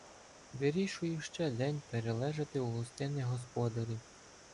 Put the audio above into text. Вирішую ще день перележати у гостинних господарів.